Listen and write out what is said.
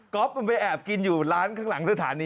ก็มันไปแอบกินอยู่ร้านข้างหลังสถานี